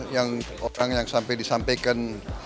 yang orang yang sampai disampaikan